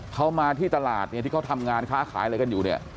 เขามาที่ตลาดเนี่ยที่เขาทำงานค้าขายอะไรกันอยู่เนี่ย